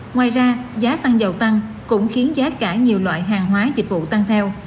ngoài ra giá xăng dầu tăng cũng khiến giá cả nhiều loại hàng hóa dịch vụ tăng theo